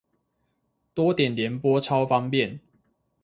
多點聯播超方便